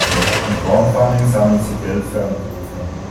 Mit Crowdfunding sammeln sie Geld für eine Berufung.